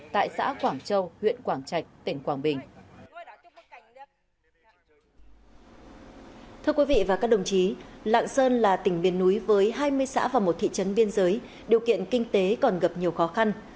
thưa quý vị và các đồng chí lạng sơn là tỉnh biển núi với hai mươi xã và một thị trấn biên giới điều kiện kinh tế còn gặp nhiều khó khăn